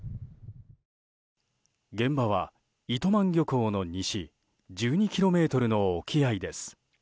現場は糸満漁港の西１２ｋｍの沖合です。